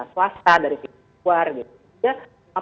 swasta dari pihak luar gitu ya